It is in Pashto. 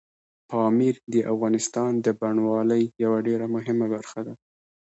پامیر د افغانستان د بڼوالۍ یوه ډېره مهمه برخه ده.